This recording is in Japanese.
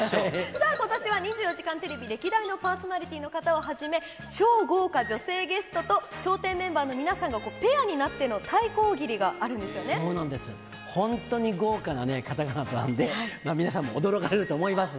さあことしは２４時間テレビ、歴代のパーソナリティーの方をはじめ、超豪華女性ゲストと笑点メンバーの皆さんがペアになっての対抗大そうなんです、本当に豪華な方々なんで、皆さんも驚かれると思います。